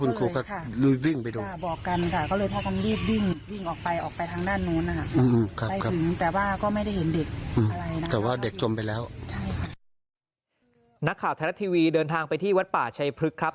นักข่าวไทยรัฐทีวีเดินทางไปที่วัดป่าชัยพฤกษ์ครับ